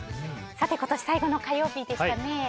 今年最後の火曜日でしたね。